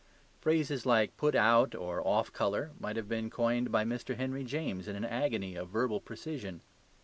Phrases like "put out" or "off colour" might have been coined by Mr. Henry James in an agony of verbal precision.